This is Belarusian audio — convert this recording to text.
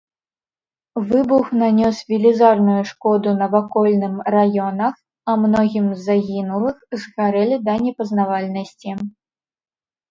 Выбух нанёс велізарную шкоду навакольным раёнах, а многім з загінулых згарэлі да непазнавальнасці.